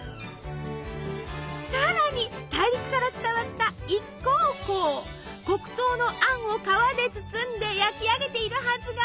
さらに大陸から伝わった黒糖のあんを皮で包んで焼き上げているはずが。